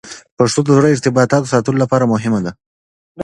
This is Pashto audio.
پښتو د زړو ارتباطاتو ساتلو لپاره مهمه ده.